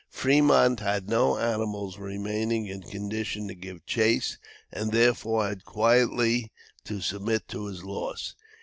Fremont had no animals remaining in condition to give chase, and therefore had quietly to submit to his loss.